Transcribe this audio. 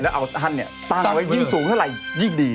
แล้วเอาท่านตั้งไว้ยิ่งสูงเท่าไหร่ยิ่งดี